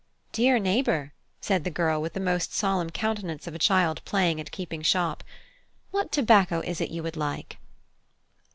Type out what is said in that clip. "Dear neighbour," said the girl, with the most solemn countenance of a child playing at keeping shop, "what tobacco is it you would like?"